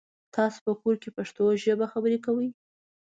تاسو په کور کې پښتو ژبه خبري کوی؟